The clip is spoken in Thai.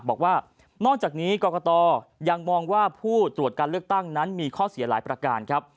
บอกว่านอกจากนี้กรกตยังมองว่าผู้ตรวจการเลือกตั้งนั้นมีข้อเสียหลายประการครับ